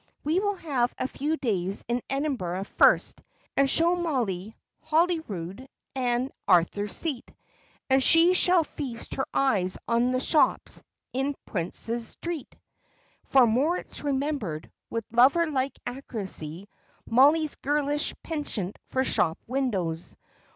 We will have a few days in Edinburgh first, and show Mollie Holyrood and Arthur's Seat, and she shall feast her eyes on the shops in Princes Street" for Moritz remembered, with lover like accuracy, Mollie's girlish penchant for shop windows.